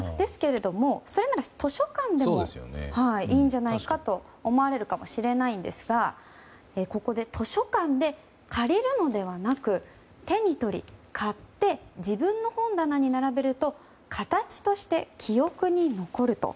それなら図書館でもいいんじゃないかと思われるかもしれないんですが図書館で借りるのではなくて手に取り、買って自分の本棚に並べると形として記憶に残ると。